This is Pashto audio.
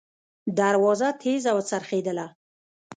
دروازه تېزه وڅرخېدله.